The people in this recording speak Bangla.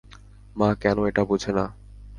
মা কেন এটা বোঝে না?